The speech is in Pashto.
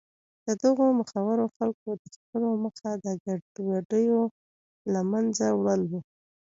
د دغو مخورو خلکو د خپلولو موخه د ګډوډیو له منځه وړل و.